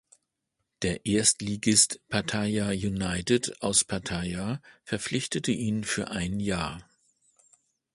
Der Erstligist Pattaya United aus Pattaya verpflichtete ihn für ein Jahr.